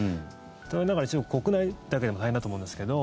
という中で、中国国内だけでも大変だと思うんですけど